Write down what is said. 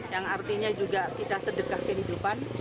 yang artinya juga kita sedekah kehidupan